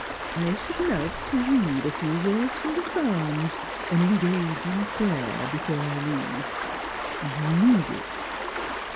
I sh'd love t' read a few words from th' Psa'ms an' engage in prayer be fore I leave. You need it."